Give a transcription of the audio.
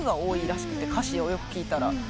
歌詞をよく聴いたら。